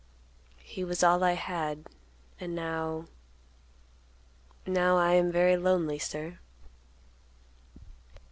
He was all I had, and now—now—I am very lonely, sir."